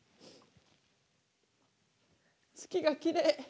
月がきれい。